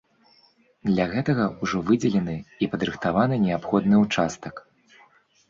Для гэтага ўжо выдзелены і падрыхтаваны неабходны ўчастак.